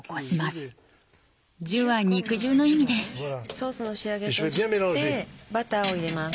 ソースの仕上げとしてバターを入れます。